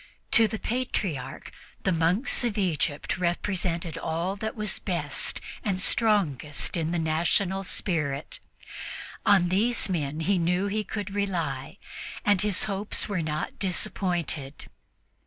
To the Patriarch, the monks of Egypt represented all that was best and strongest in the national spirit. On these men he knew he could rely, and his hopes were not disappointed.